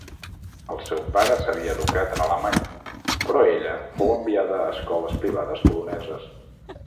El seu pare s'havia educat en alemany, però ella fou enviada a escoles privades poloneses.